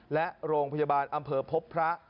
และโรงพยาบาลอำเภอพบพระ